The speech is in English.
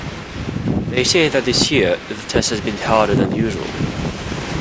They say that this year, the test has been harder than usual.